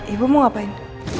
ibu mau ngapain